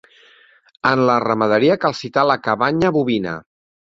En la ramaderia cal citar la cabanya bovina.